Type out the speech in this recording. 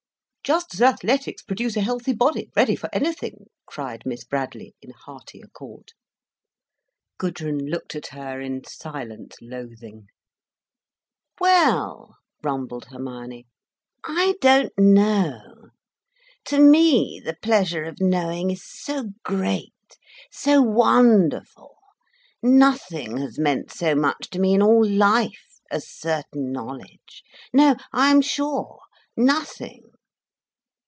"Just as athletics produce a healthy body, ready for anything," cried Miss Bradley, in hearty accord. Gudrun looked at her in silent loathing. "Well—" rumbled Hermione, "I don't know. To me the pleasure of knowing is so great, so wonderful—nothing has meant so much to me in all life, as certain knowledge—no, I am sure—nothing."